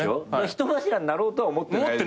人柱になろうとは思ってないでしょ。